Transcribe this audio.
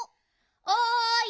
おい！